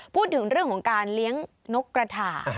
พูดถึงเรื่องของการเลี้ยงนกกระถา